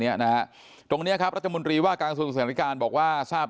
เนี้ยนะฮะตรงเนี้ยครับราชมนตรีว่าการส่งสถานการณ์บอกว่าทราบ